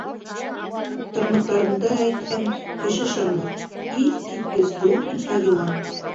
Тырнаҡтарында, әйтһәң, кеше ышанмаҫ, иҫ киткес ҙур ике йылан.